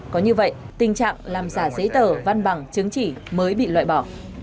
có như vậy tình trạng làm giả giấy tờ văn bằng chứng chỉ mới bị loại bỏ